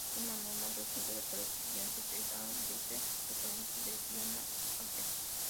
Un manual más reciente para estudiantes es A Writer's Reference de Diana Hacker".